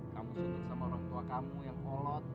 kamu sunyi sama orang tua kamu yang polot